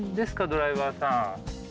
ドライバーさん。